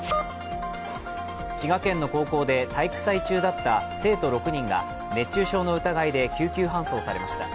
滋賀県の高校で体育祭中だった生徒６人が熱中症の疑いで救急搬送されました。